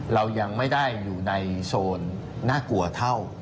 เรายังไม่ได้อยู่ในโซนน่ากลัวเท่า